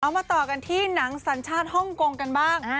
มาต่อกันที่หนังสัญชาติฮ่องกงกันบ้าง